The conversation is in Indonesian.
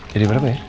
jadi berapa ya